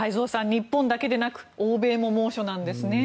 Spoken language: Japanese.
日本だけでなく欧米も猛暑なんですね。